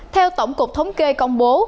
theo tổng cục thống kê công bố